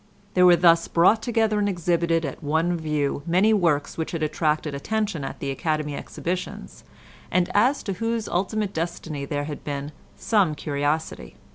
There were thus brought together and exhibited at one view many works which had attracted attention at the Academy Exhibitions, and as to whose ultimate destiny there had been some curiosity.